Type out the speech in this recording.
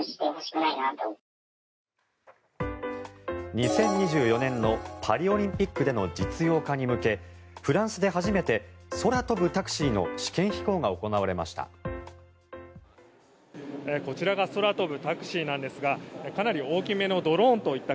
２０２４年のパリオリンピックでの実用化に向けフランスで初めて空飛ぶタクシーの試験飛行が行われました。